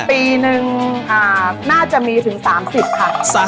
ปีนึงน่าจะมีถึง๓๐ค่ะ